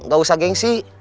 gak usah gengsi